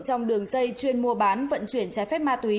trong đường dây chuyên mua bán vận chuyển trái phép ma túy